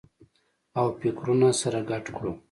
او فکرونه سره ګډ کړو